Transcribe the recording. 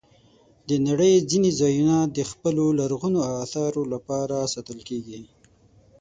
د نړۍ ځینې ځایونه د خپلو لرغونو آثارو لپاره ساتل کېږي.